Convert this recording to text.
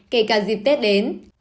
kể cả dịp tết đến